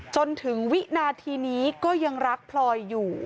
จนถึงวินาทีนี้ก็ยังรักพลอยอยู่